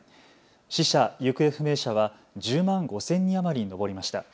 死者・行方不明者は１０万５０００人余りに上りました。